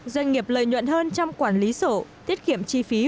doanh nghiệp lợi nhuận hơn trong quản lý sổ bảo hiểm